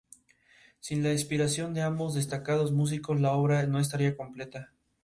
Sin la inspiración de ambos destacados músicos, la obra no estaría completa.